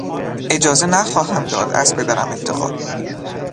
اجازه نخواهم داد از پدرم انتقاد کنی!